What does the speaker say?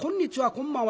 「こんばんは」